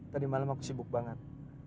tadi malam aku sibuk banget